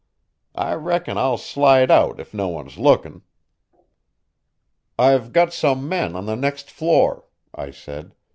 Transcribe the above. I reckon I'll slide out if no one's lookin'." "I've got some men on the next floor," I said.